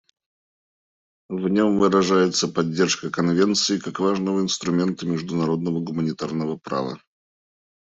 В нем выражается поддержка Конвенции как важного инструмента международного гуманитарного права.